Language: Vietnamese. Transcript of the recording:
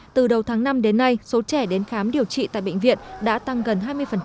từ đầu tháng năm đến nay số trẻ đến khám điều trị tại bệnh viện đã tăng gần hai mươi